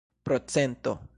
procento